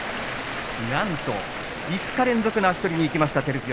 なんと５日連続の足取りにいきました照強。